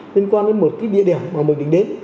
liên quan đến một cái địa điểm mà mình định đến